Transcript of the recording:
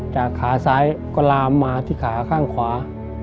ขาซ้ายก็ลามมาที่ขาข้างขวา